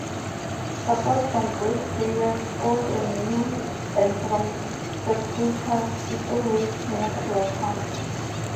Support from, both players old and new and from spectators, is always most welcome.